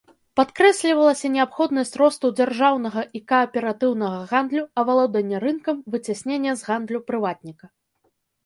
Падкрэслівалася неабходнасць росту дзяржаўнага і кааператыўнага гандлю, авалоданне рынкам, выцясненне з гандлю прыватніка.